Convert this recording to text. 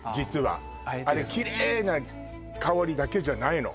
あえてあれキレイな香りだけじゃないの